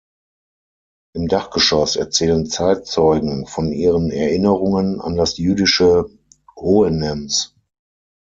Im Dachgeschoss erzählen Zeitzeugen von ihren Erinnerungen an das jüdische Hohenems.